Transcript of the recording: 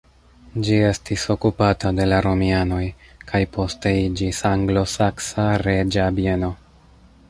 Ĝi estis okupata de la romianoj, kaj poste iĝis anglosaksa reĝa bieno.